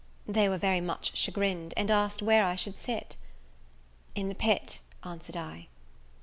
They were very much chagrined, and asked where I should sit. "In the pit," answered I.